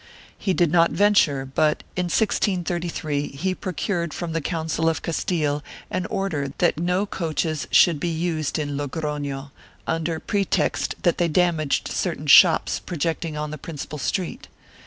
He did not venture, but, in 1633, he procured from the Council of Castile an order that no coaches should be used in Logrofio, under pretext that they damaged certain shops projecting on the principal street.